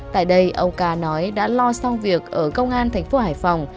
tại đây ông ca nói đã lo xong việc ở công an tp hải phòng